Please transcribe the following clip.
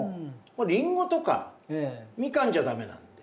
「りんご」とか「みかん」じゃ駄目なので。